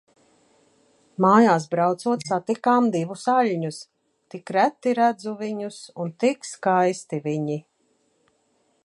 Mājās braucot, satikām divus aļņus. Tik reti redzu viņus un tik skaisti viņi.